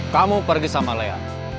kamu pergi sama lea